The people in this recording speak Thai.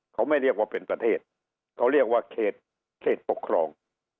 เขาไม่เรียกว่าเป็นประเทศเขาเรียกว่าเขตปกครอง